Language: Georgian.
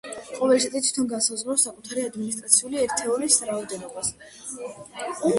ყოველი შტატი თვითონ განსაზღვრავს საკუთარი ადმინისტრაციული ერთეულის რაოდენობას.